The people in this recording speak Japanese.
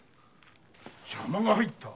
邪魔が入った？